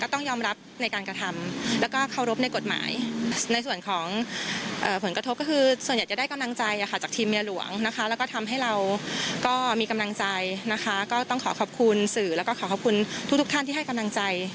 เธอยากออกมาเคลียร์เธอยากเคลียร์เธอยืนยัน